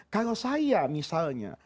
kalau saya misalnya